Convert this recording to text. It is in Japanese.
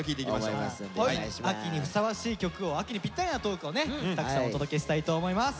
秋にふさわしい曲を秋にぴったりなトークをねたくさんお届けしたいと思います。